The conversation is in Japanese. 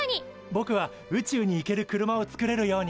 ぼくは「宇宙に行ける車を作れるように」。